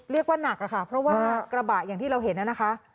เรียกว่าหนักอะค่ะเพราะว่ากระบะอย่างที่เราเห็นน่ะนะคะ